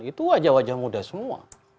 itu wajah wajah muda semua